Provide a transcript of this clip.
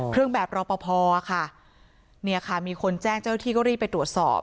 เครื่องแบบรอพอค่ะมีคนแจ้งเจ้ายอดที่ก็รีดไปตรวจสอบ